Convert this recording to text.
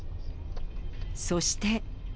そして。